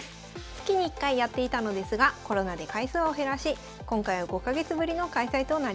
月に１回やっていたのですがコロナで回数を減らし今回は５か月ぶりの開催となりました。